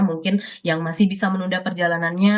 mungkin yang masih bisa menunda perjalanannya